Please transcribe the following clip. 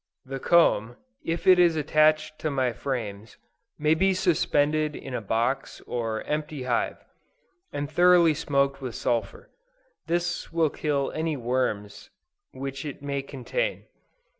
The comb, if it is attached to my frames, may be suspended in a box or empty hive, and thoroughly smoked with sulphur; this will kill any worms which it may contain.